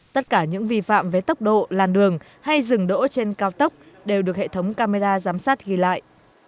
tất cả những vi phạm về tốc độ làn đường hay dừng đỗ trên cao tốc đều được hệ thống camera giám sát ghi lại